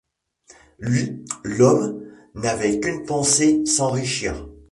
Lui, l’homme, n’avait qu’une pensée: s’enrichir.